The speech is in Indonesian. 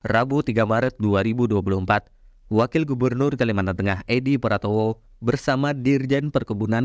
rabu tiga maret dua ribu dua puluh empat wakil gubernur kalimantan tengah edi pratowo bersama dirjen perkebunan